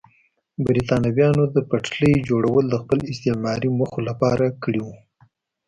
برېټانویانو د پټلۍ جوړول د خپلو استعماري موخو لپاره کړي وو.